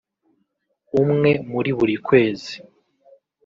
umwe muri buri kwezi